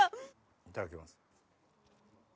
いただきます。